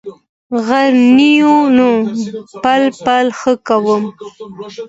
غرنیو ونو پل، پل ښکلومه